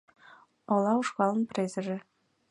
Ола ушкалын презыже